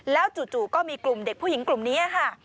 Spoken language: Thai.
แล้วจู่ก็มีกลุ่มเด็กผู้หญิงกลุ่มนี้ค่ะ